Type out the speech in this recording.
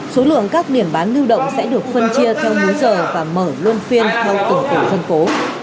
số lượng các điểm bán lưu động sẽ được phân chia theo múi giờ và mở luôn phiên theo tổng cục dân phố